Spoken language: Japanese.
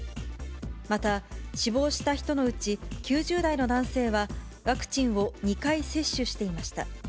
また死亡した人のうち９０代の男性は、ワクチンを２回接種していました。